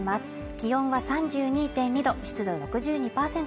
気温は３２．２度、湿度６２％